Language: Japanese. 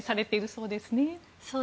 そうですね。